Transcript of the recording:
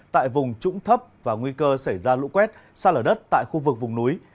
tại vùng trũng thấp và nguy cơ xảy ra lũ quét xa lở đất tại khu vực vùng núi